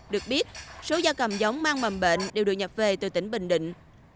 được biết số gia cầm giống mang mầm bệnh đều được nhập về từ tỉnh bình định